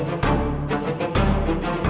kalau mau ke kampung ini